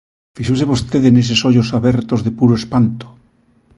Fixouse vostede neses ollos abertos de puro espanto?